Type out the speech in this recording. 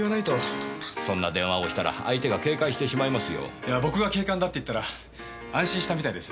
いや僕が警官だって言ったら安心したみたいです。